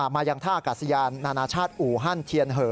มายังท่ากาศยานนออูฮันเทียนเหอ